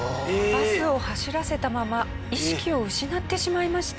バスを走らせたまま意識を失ってしまいました。